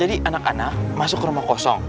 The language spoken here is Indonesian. jadi anak anak masuk ke rumah kosong